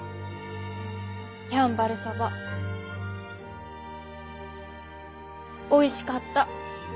やんばるそばおいしかった。